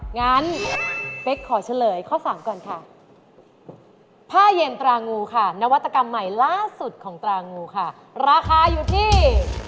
งั้นเป๊กขอเฉลยข้อ๓ก่อนค่ะผ้าเย็นตรางูค่ะนวัตกรรมใหม่ล่าสุดของตรางูค่ะราคาอยู่ที่